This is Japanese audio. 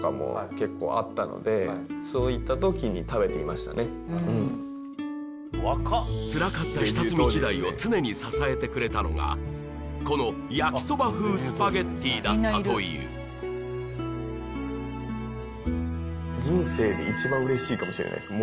だったのでつらかった下積み時代を常に支えてくれたのがこの焼きそば風スパゲッティだったという人生で一番嬉しいかもしれないです